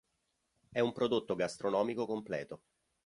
È un prodotto gastronomico completo.